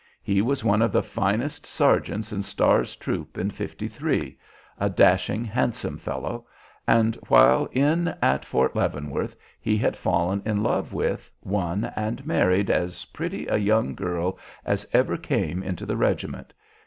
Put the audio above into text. He was one of the finest sergeants in Starr's troop in '53, a dashing, handsome fellow, and while in at Fort Leavenworth he had fallen in love with, won, and married as pretty a young girl as ever came into the regiment.